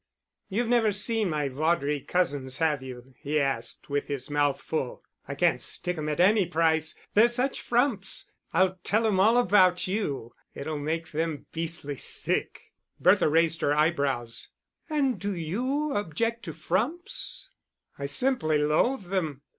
"You've never seen my Vaudrey cousins, have you?" he asked, with his mouth full. "I can't stick 'em at any price, they're such frumps. I'll tell 'em all about you; it'll make them beastly sick." Bertha raised her eyebrows. "And do you object to frumps?" "I simply loathe them.